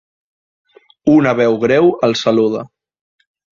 Una veu greu el saluda.